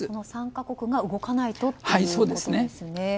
３か国が動かないとということですね。